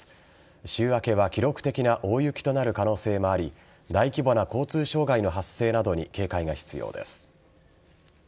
週明けは記録的な大雪となる可能性もあり大規模な交通障害の発生などに警戒が必要です。